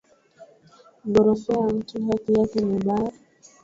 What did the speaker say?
Ku gorofea mutu haki yake ni mubaya